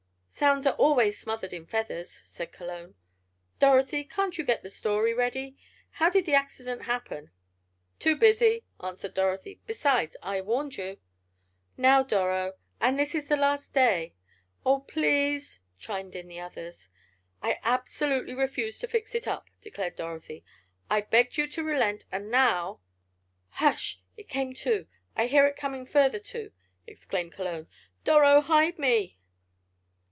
"Sounds are always smothered in feathers," said Cologne. "Dorothy, can't you get the story ready? How did the accident happen?" "Too busy," answered Dorothy. "Besides, I warned you." "Now, Doro! And this the last day!" "Oh, please!" chimed in the others. "I absolutely refuse to fix it up," declared Dorothy. "I begged you to relent, and now——" "Hush! It came to! I hear it coming further to!" exclaimed Cologne. "Doro, hide me!"